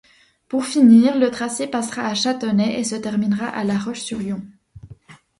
Pour finir le tracé passera à Chantonnay et se terminera à la Roche-sur-Yon.